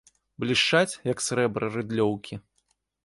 Блішчаць, як срэбра, рыдлёўкі.